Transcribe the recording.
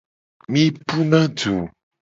Mi puna du .